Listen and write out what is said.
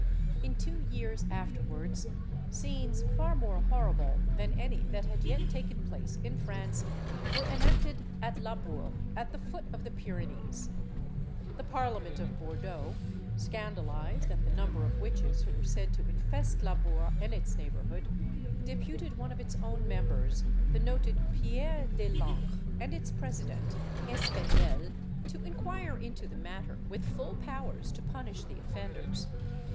In two years afterwards, scenes far more horrible than any that had yet taken place in France were enacted at Labourt, at the foot of the Pyrenees. The parliament of Bourdeaux, scandalised at the number of witches who were said to infest Labourt and its neighbourhood, deputed one of its own members, the noted Pierre de l'Ancre, and its president, Espaignel, to inquire into the matter, with full powers to punish the offenders.